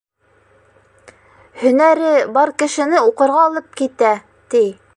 Һөнәре бар кешене уҡырға алып китә, ти.